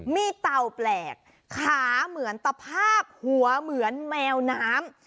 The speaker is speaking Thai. มีเต่าแปลกขาเหมือนตภาพหัวเหมือนแมวน้ำ